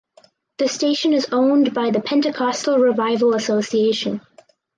The station is owned by the Pentecostal Revival Association.